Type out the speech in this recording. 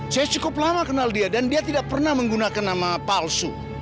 saya cukup lama kenal dia dan dia tidak pernah menggunakan nama palsu